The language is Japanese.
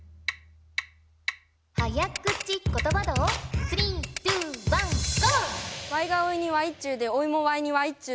早口ことば道スリーツーワンーゴー！